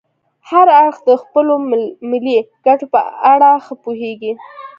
هر اړخ د خپلو ملي ګټو په اړه ښه پوهیږي